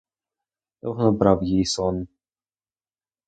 Довго не брав її сон.